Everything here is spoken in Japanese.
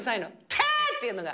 たーっていうのが。